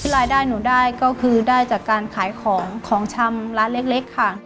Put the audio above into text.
รายได้หนูได้ก็คือได้จากการขายของของชำร้านเล็กค่ะ